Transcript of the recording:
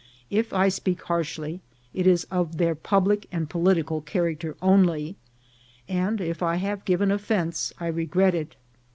If I speak harshly, it is of their public and political char acter only ; and if I have given offence, I regret it.